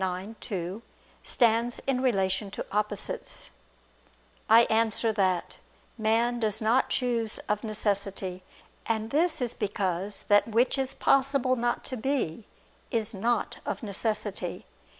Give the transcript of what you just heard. ix, 2) stands in relation to opposites. I answer that, Man does not choose of necessity. And this is because that which is possible not to be, is not of necessity.